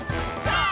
さあ！